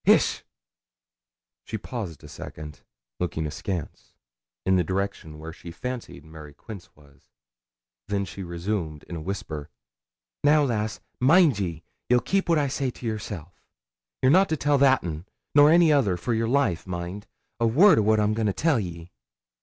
Hish!' She paused a second, looking askance, in the direction where she fancied Mary Quince was. Then she resumed in a whisper 'Now, lass, mind ye, ye'll keep what I say to yourself. You're not to tell that un nor any other for your life, mind, a word o' what I'm goin' to tell ye.'